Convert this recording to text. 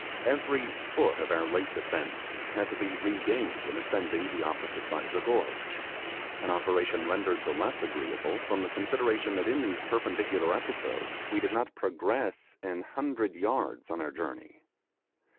Every foot of our late descent had to be regained in ascending the opposite side of the gorge an operation rendered the less agreeable from the consideration that in these perpendicular episodes we did not progress a hundred yards on our journey.